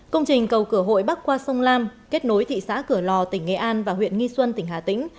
công trình cầu cửa hội bắc qua sông lam kết nối thị xã cửa lò tỉnh nghệ an và huyện nghi xuân tỉnh hà tĩnh